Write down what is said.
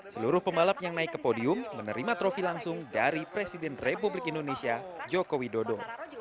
seluruh pembalap yang naik ke podium menerima trofi langsung dari presiden republik indonesia joko widodo